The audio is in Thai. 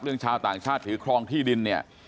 ชาวต่างชาติถือครองที่ดินเนี่ย